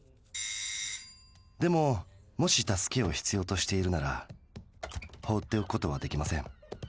でももし助けを必要としているなら放っておくことはできません。